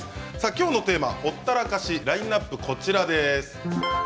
きょうのテーマほったらかしラインナップはこちらです。